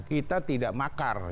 kita tidak makar